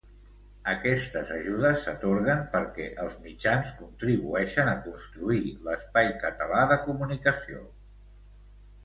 Aquestes ajudes s'atorguen perquè els mitjans contribueixen a construir l'espai català de comunicació.